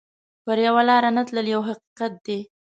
پر یوه لار نه تلل یو حقیقت دی.